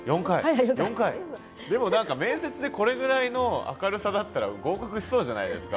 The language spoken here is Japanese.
でも何か面接でこれぐらいの明るさだったら合格しそうじゃないですか。